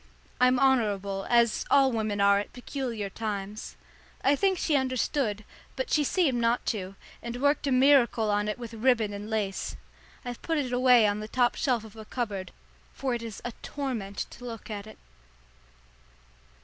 I'm honourable, as all women are at peculiar times. I think she understood, but she seemed not to, and worked a miracle on it with ribbon and lace. I've put it away on the top shelf of a cupboard, for it is a torment to look at it.